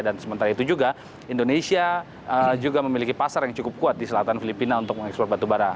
dan sementara itu juga indonesia juga memiliki pasar yang cukup kuat di selatan filipina untuk mengekspor batubara